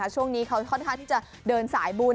ช่วงนี้เขาค่อนข้างที่จะเดินสายบุญ